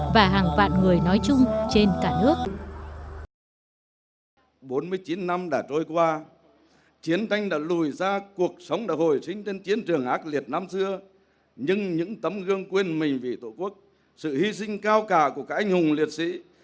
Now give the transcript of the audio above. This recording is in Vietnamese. và hàng vạn người nói chung với các anh hùng liệt sĩ